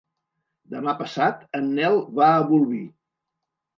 Demà passat en Nel va a Bolvir.